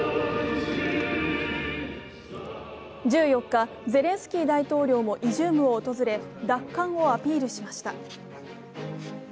１４日、ゼレンスキー大統領もイジュームを訪れ奪還をアピールしました。